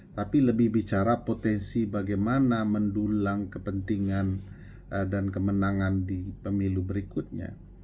tapi lebih bicara potensi bagaimana mendulang kepentingan dan kemenangan di pemilu berikutnya